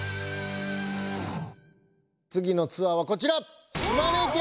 つぎのツアーはこちら！